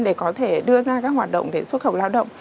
để có thể đưa ra các hoạt động để xuất khẩu lao động